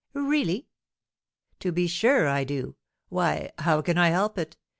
"Really?" "To be sure I do. Why, how can I help it?